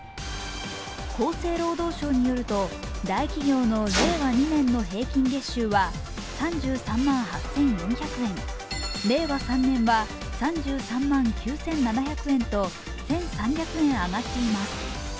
厚生労働省によると大企業の令和２年の平均月収は３３万８４００円、令和３年は３３万９７００円と１３００円上がっています。